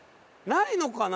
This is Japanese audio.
ないのかな？